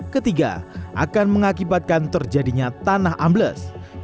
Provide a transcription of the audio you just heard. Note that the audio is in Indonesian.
ketiga akan mengakibatkan terjadinya tanah ambles